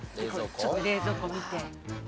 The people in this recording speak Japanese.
「ちょっと冷蔵庫見て」